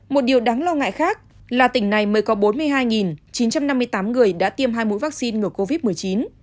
một điều đáng lo ngại khác là tỉnh này mới có bốn mươi hai chín trăm năm mươi tám người đã tiêm hai mũi vaccine ngừa covid một mươi chín